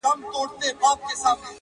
هغه خو ټوله ژوند تاته درکړی وو په مينه-